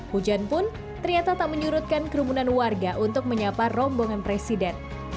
hujan pun ternyata tak menyurutkan kerumunan warga untuk menyapa rombongan presiden